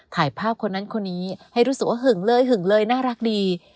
ถ่ายภาพคนนั้นคนนี้ให้รู้สึกว่าหึงเลยหึงเลยน่ารักดี